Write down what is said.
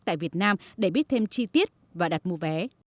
tại việt nam để biết thêm chi tiết và đặt mua vé